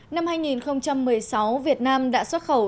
năm hai nghìn một mươi sáu việt nam đã xuất khẩu